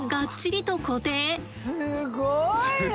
すごいね！